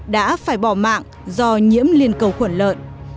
đã phải bỏ mạng do nhiễm liên cầu khuẩn lợn